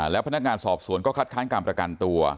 แล้วพนักงานสอบสวนก็คัดค้านการประกันตัว